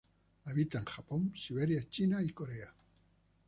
Habita en Japón, Siberia, China y Corea.